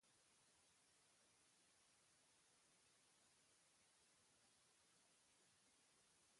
Baina badaude ere distantzia ez olinpikoak, ibai jaitsieraren kasua da.